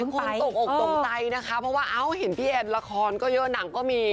คือหลายคนตกอกตกใจนะคะเพราะว่าเห็นพี่แอนละครเยอะหนังก็มี